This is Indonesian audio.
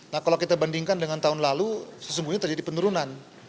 nah kalau kita bandingkan dengan tahun lalu sesungguhnya terjadi penurunan